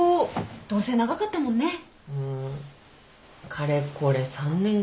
かれこれ３年か。